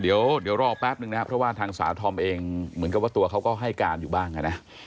เดี๋ยวรอแป๊บนึงนะครับเพราะว่าทางสาวธอมเองเหมือนกับว่าตัวเขาก็ให้การอยู่บ้างนะ